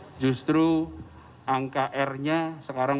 jadi justru angka r nya sekarang